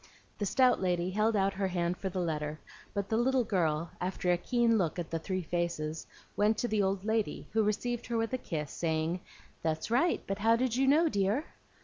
The stout lady held out her hand for the letter; but the little girl, after a keen look at the three faces, went to the old lady, who received her with a kiss, saying, "That's right; but how did you know, dear?"